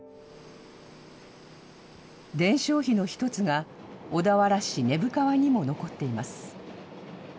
伝承碑のひとつが小田原市根府川にも残っています。